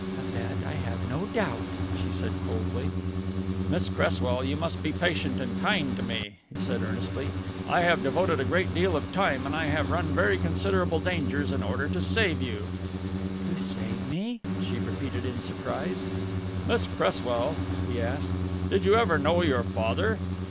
"Of that I have no doubt," she said coldly. "Miss Cresswell, you must be patient and kind to me," he said earnestly. "I have devoted a great deal of time and I have run very considerable dangers in order to save you." "To save me?" she repeated in surprise. "Miss Cresswell," he asked, "did you ever know your father?"